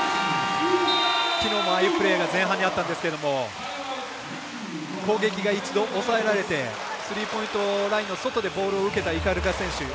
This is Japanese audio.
きのうもああいうプレーが前半にあったんですけれども攻撃が一度、抑えられてスリーポイントラインの外でボールを受けた鵤選手。